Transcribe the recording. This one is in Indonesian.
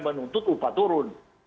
menuntut upah turun